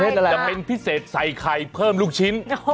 จะเป็นพิเศษใส่ไข่เพิ่มลูกชิ้น